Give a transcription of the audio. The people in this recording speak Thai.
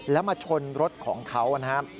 แล้วมาชนรถของเขานะครับ